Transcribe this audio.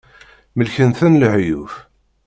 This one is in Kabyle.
Melken-ten lehyuf.